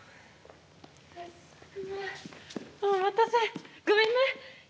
お待たせごめんね。